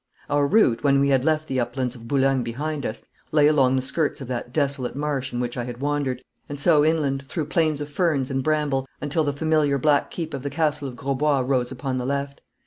Our route, when we had left the uplands of Boulogne behind us, lay along the skirts of that desolate marsh in which I had wandered, and so inland, through plains of fern and bramble, until the familiar black keep of the Castle of Grosbois rose upon the left.